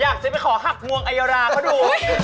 อยากจะไปขอหักงวงไอยาราเขาดู